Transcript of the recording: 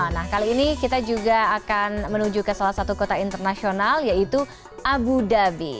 nah kali ini kita juga akan menuju ke salah satu kota internasional yaitu abu dhabi